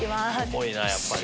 重いなやっぱり。